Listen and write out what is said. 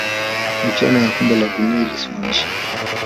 michuano ya Kombe la dunia ililisimamishwa